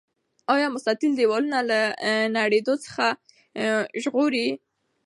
آیا مستطیل دیوالونه له نړیدو څخه ژغوري؟